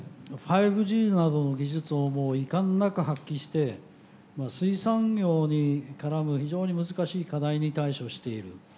５Ｇなどの技術をいかんなく発揮して水産業に絡む非常に難しい課題に対処している。